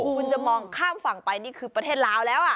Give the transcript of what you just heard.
คุณจะมองข้ามฝั่งไปนี่คือประเทศลาวแล้ว